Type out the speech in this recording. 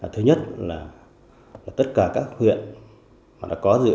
thứ nhất là tất cả các huyện mà đã có dự án